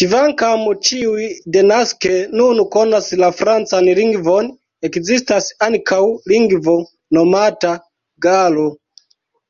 Kvankam ĉiuj denaske nun konas la francan lingvon, ekzistas ankaŭ lingvo nomata "galo".